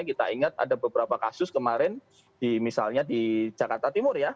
kita ingat ada beberapa kasus kemarin misalnya di jakarta timur ya